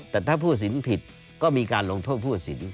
แต่ถ้าผู้สินผิดก็มีการลงโทษผู้สิน